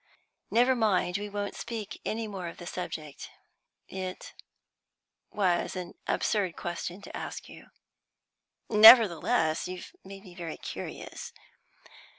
Never mind, we won't speak any more of the subject. It was an absurd question to ask you." "Nevertheless, you have made me very curious."